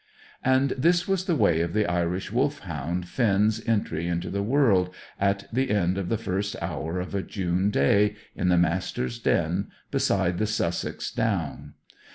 And this was the way of the Irish Wolfhound Finn's entry into the world, at the end of the first hour of a June day, in the Master's den beside the Sussex Downs.